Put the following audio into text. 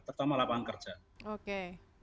terutama lapangan kerja oke